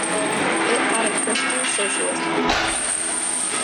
It had a Christian Socialist outlook.